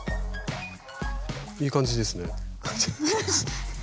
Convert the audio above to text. いい感じですね。